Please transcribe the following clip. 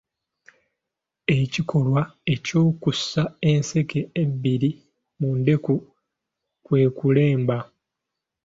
Ekikolwa ekyokussa enseke ebbiri mu ndeku kwe kulemba.